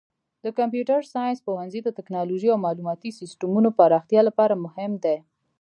د کمپیوټر ساینس پوهنځی د تکنالوژۍ او معلوماتي سیسټمونو پراختیا لپاره مهم دی.